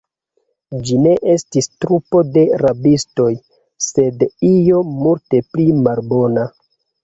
Ĝi ne estis trupo de rabistoj, sed io multe pli malbona.